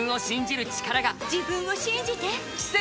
自分を信じて！